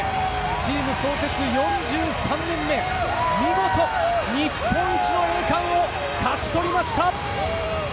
チーム創設４３年目、見事、日本一の栄冠を勝ち取りました！